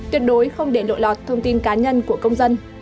tuyệt đối không để lộ lọt thông tin cá nhân của công dân